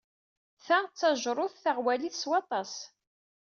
Ta d tajṛut taɣwalit s waṭas.